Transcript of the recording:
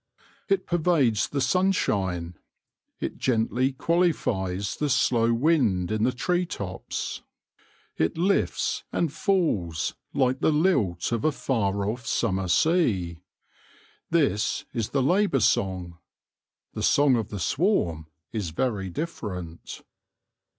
It pervades the sunshine. It gently qualifies the slow wnd in the tree tops. It lifts and falls like the lilt o a far off summer sea. This is the labour song : tfie song of the swarm is very different.